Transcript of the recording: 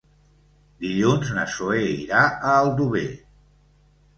Dilluns na Zoè irà a Aldover.